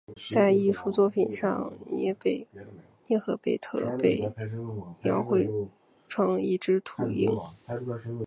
在艺术作品上涅赫贝特被描绘成一只秃鹰。